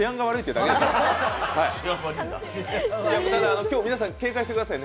ただ今日、皆さん警戒してくださいね。